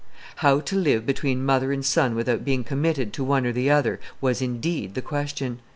How to live between mother and son without being committed to one or the other, was indeed the question.